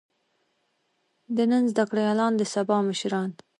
د نن زده کړيالان د سبا مشران.